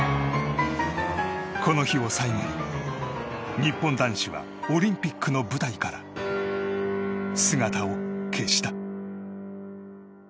この日を最後に日本男子はオリンピックの舞台から姿を消した。